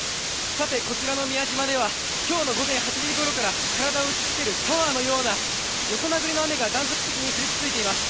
さて、こちらの宮島では、きょうの午前８時ごろから、体を打ちつけるシャワーのような、横殴りの雨が断続的に降り続いています。